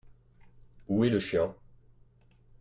Où est le chien ?